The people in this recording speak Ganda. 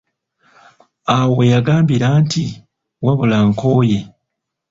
Awo we yagambira nti: "wabula nkooye"